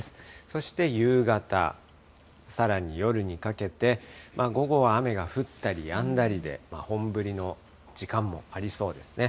そして夕方、さらに夜にかけて、午後は雨が降ったりやんだりで、本降りの時間もありそうですね。